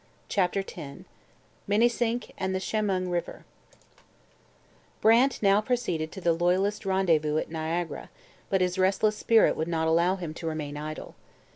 CHAPTER X MINISINK AND THE CHEMUNG RIVER Brant now proceeded to the loyalist rendezvous at Niagara, but his restless spirit would not allow him to remain idle.